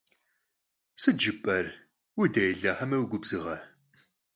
Sıt jjıp'er? Vudêle heme vugubzığe?